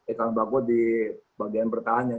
ekan pakot di bagian pertahanan